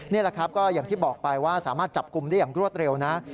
นี่แหละครับก็อย่างที่บอกไปว่าสามารถจับกลุ่มได้อย่างรวดเร็วนะ